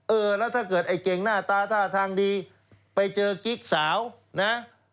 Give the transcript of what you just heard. เออแล้วถ้าเกิดไอ้เก่งหน้าตาท่าทางดีไปเจอกิ๊กสาวนะ